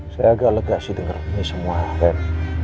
saya agak lega sih dengerin ini semua ren